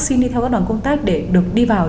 xin đi theo các đoàn công tác để được đi vào